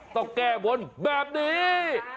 ต้องแก้บนแบบนี้